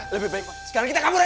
lebih baik sekarang kita kabur aja